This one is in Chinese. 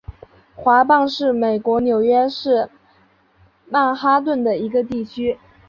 华埠是美国纽约市曼哈顿的一个地区。